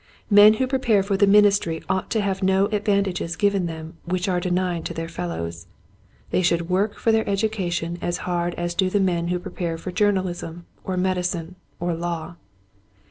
Men who prepare for the ministry ought to have no advantages given them which are denied to their fellows. They should work for their education as hard as do the men who prepare for journalism or medicine or law.